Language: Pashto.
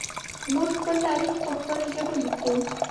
موږ خپل تاریخ په خپله ژبه لیکو.